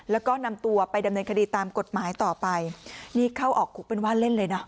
แล้วก็นำตัวไปดำเนินคดีตามกฎหมายต่อไปนี่เข้าออกคุกเป็นว่าเล่นเลยนะ